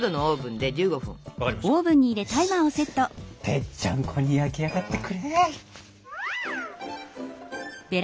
ぺっちゃんこに焼き上がってくれ。